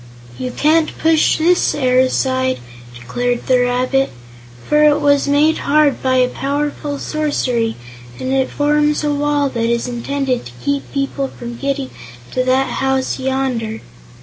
"You can't push this air aside," declared the rabbit, "for it was made hard by powerful sorcery, and it forms a wall that is intended to keep people from getting to that house yonder."